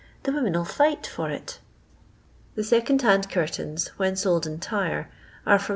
the women '11 fight for it." The second hand curtains, when sold entire, arc from M.